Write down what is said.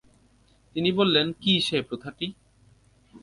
তিনি বললেনঃ কী সে প্রথাটি?